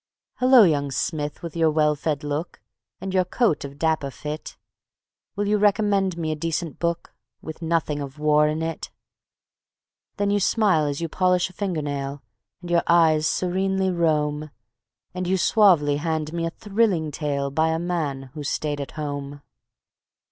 _ "Hullo, young Smith, with your well fed look And your coat of dapper fit, Will you recommend me a decent book With nothing of War in it?" Then you smile as you polish a finger nail, And your eyes serenely roam, And you suavely hand me a thrilling tale By a man who stayed at home.